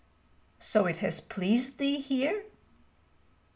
"So it has pleased thee here?"